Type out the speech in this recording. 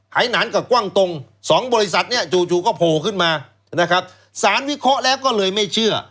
หนานกับกว้างตรงสองบริษัทเนี่ยจู่ก็โผล่ขึ้นมานะครับสารวิเคราะห์แล้วก็เลยไม่เชื่อ